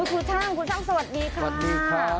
ครูช่างครูช่างสวัสดีค่ะสวัสดีครับ